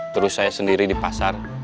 terus saya sendiri di pasar